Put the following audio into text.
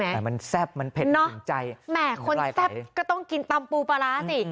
แต่มันแซ่บมันเผ็ดเนอะแหมคนแซ่บก็ต้องกินตำปูปลาร้าสิ